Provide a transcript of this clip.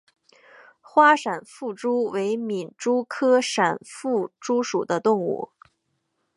花闪腹蛛为皿蛛科闪腹蛛属的动物。